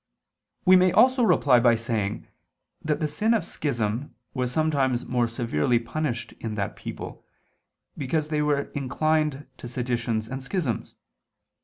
We may also reply by saying that the sin of schism was sometimes more severely punished in that people, because they were inclined to seditions and schisms.